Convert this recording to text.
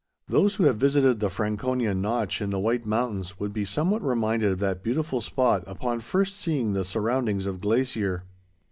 Those who have visited the Franconia Notch in the White Mountains would be somewhat reminded of that beautiful spot upon first seeing the surroundings of Glacier.